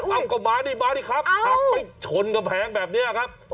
เอาก็มาดิมาดิครับหักไปชนกำแพงแบบนี้ครับ